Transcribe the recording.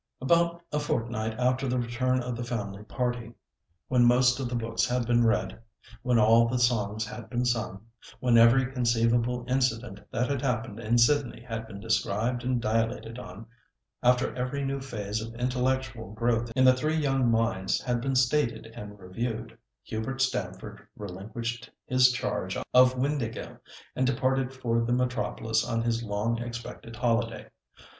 About a fortnight after the return of the family party, when most of the books had been read, when all the songs had been sung, when every conceivable incident that had happened in Sydney had been described and dilated on, after every new phase of intellectual growth in the three young minds had been stated and reviewed, Hubert Stamford relinquished his charge of Windāhgil, and departed for the metropolis on his long expected holiday.